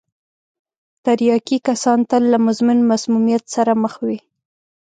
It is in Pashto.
تریاکي کسان تل له مزمن مسمومیت سره مخ وي.